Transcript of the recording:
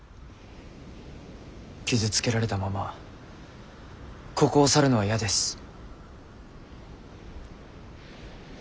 傷つけられたままここを去るのは嫌です。